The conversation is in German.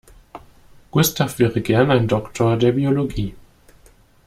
Gustav wäre gern ein Doktor der Biologie.